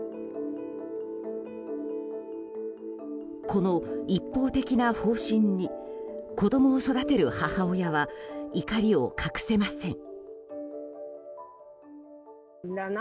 この一方的な方針に子供を育てる母親は怒りを隠せません。